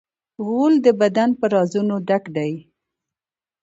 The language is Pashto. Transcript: غول د بدن په رازونو ډک دی.